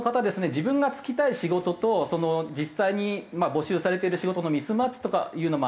自分が就きたい仕事と実際に募集されている仕事のミスマッチとかいうのもありまして。